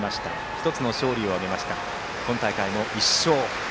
１つの勝利を挙げて今大会も１勝。